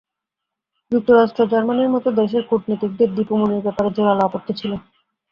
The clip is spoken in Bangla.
যুক্তরাষ্ট্র, জার্মানির মতো দেশের কূটনীতিকদের দীপু মনির ব্যাপারে জোরালো আপত্তি ছিল।